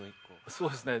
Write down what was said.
そうですね。